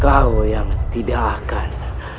kau yang tidak akan